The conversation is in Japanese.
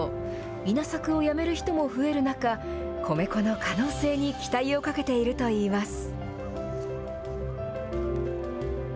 稲作をやめる人も増える中、米粉の可能性に期待をかけているといいます。